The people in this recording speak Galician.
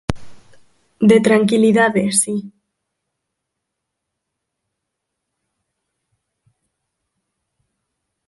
De tranquilidade, si.